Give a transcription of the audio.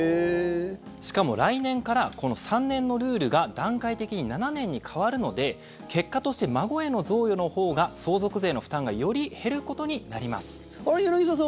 しかも、来年からこの３年のルールが段階的に７年に変わるので結果として、孫への贈与のほうが相続税の負担がより減ることになります。